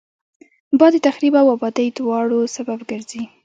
باد د تخریب او آبادي دواړو سبب ګرځي